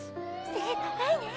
背高いね。